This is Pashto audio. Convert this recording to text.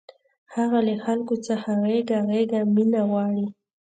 هغه له خلکو څخه غېږه غېږه مینه غواړي